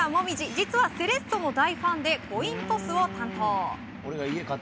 実はセレッソの大ファンでコイントスを担当。